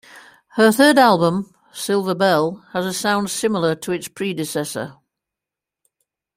Her third album, "Silver Bell", has a sound similar to its predecessor.